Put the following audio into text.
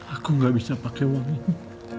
aku gak bisa pakai uang ini